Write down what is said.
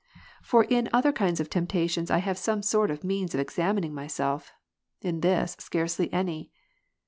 Ps. 19, For in other kinds of temptations I have some sort of means ^^" for examining myself ; in this, scarce any.